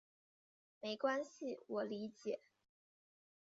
没关系，我理解。